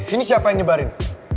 ini siapa yang nyebarin